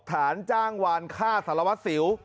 หารจ้างหวานฆ่าสารวัดสิว